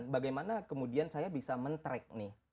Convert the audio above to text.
bagaimana kemudian saya bisa men track nih